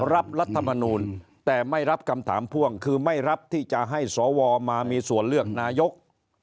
รัฐมนูลแต่ไม่รับคำถามพ่วงคือไม่รับที่จะให้สวมามีส่วนเลือกนายก